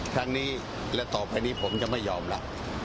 ครั้งนี้และต่อไปนี้ผมจะไม่ยอมรับ